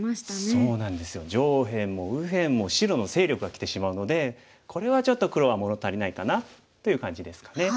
そうなんですよ上辺も右辺も白の勢力がきてしまうのでこれはちょっと黒は物足りないかなという感じですかね。